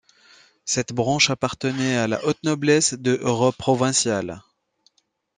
Cette branche appartenait à la haute noblesse de robe provinciale.